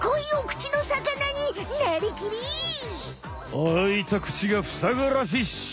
あいた口がふさがらフィッシュ！